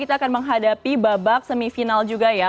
kita akan menghadapi babak semifinal juga ya